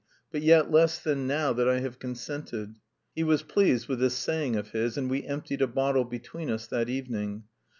But yet less than now that I have consented." He was pleased with this saying of his, and we emptied a bottle between us that evening.